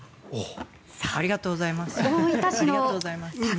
ありがとうございます。